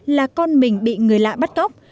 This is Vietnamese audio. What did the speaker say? là con mình bị người lạ bắt cóc